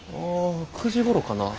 ９時ごろかな。